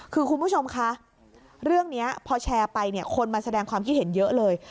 คือคุณผู้ชมคะเรื่องนี้พอแชร์ไปเนี่ยคนมาแสดงความคิดเห็นเยอะเลย